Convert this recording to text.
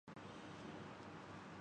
نئے پکوان پسند کرتا ہوں